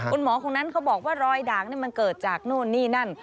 คุณหมอคนนั้นเขาบอกว่ารอยด่างนี่มันเกิดจากนู่นนี่นั่น